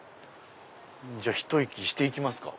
じゃあひと息して行きますか。